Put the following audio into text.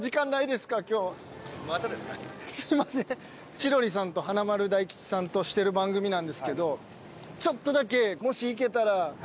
千鳥さんと華丸・大吉さんとしてる番組なんですけどちょっとだけもしいけたら。